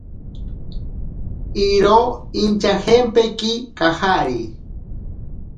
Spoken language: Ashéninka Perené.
Iro inchajempeki kajari.